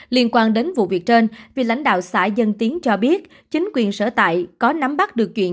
liên quan đến vụ việc trên vì lãnh đạo xã dân tiến cho biết chính quyền sở tại có nắm bắt được chuyện